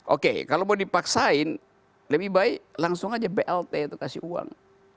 oke kalau mau dipaksain lebih baik langsung aja blt itu kasih uang